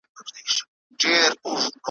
یو اوزګړی د کوهي خولې ته نیژدې سو `